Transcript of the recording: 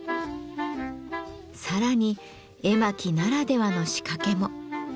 更に絵巻ならではの仕掛けも。